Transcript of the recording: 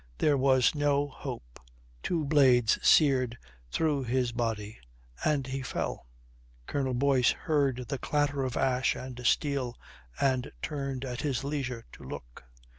There was no hope. Two blades seared through his body and he fell. Colonel Boyce heard the clatter of ash and steel and turned at his leisure to look.